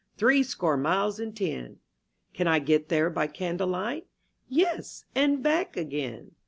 *■• Threescore miles and ten. Can I get there by candle light? Yes, and back again